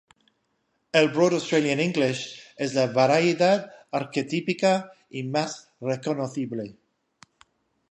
El Broad Australian English es la variedad arquetípica y más reconocible.